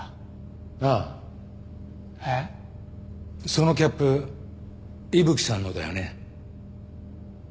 そのキャップ伊吹さんのだよね。